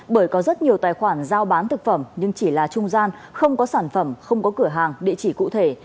bởi có rất nhiều tài khoản giao bán thực phẩm nhưng chỉ là trung gian không có sản phẩm không có cửa hàng địa chỉ cụ thể